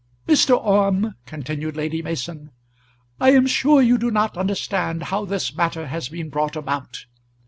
"Mr. Orme," continued Lady Mason, "I am sure you do not understand how this matter has been brought about.